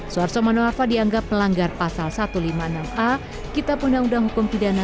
suarso manuarfa dianggap melanggar pasal satu ratus lima puluh enam a kitab undang undang hukum pidana